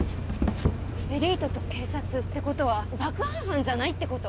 エリートと警察ってことは爆破犯じゃないってこと？